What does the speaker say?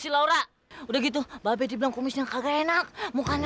sampai jumpa di video selanjutnya